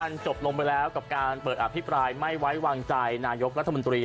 มันจบลงไปแล้วกับการเปิดอภิปรายไม่ไว้วางใจนายกรัฐมนตรี